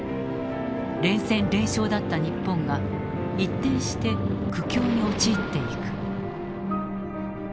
連戦連勝だった日本が一転して苦境に陥っていく。